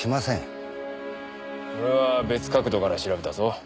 俺は別角度から調べたぞ。